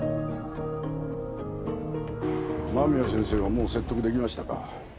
間宮先生はもう説得できましたか？